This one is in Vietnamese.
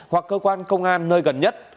hoặc cơ quan công an nơi gần nhất